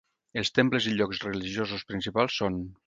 Els temples i llocs religiosos principals són.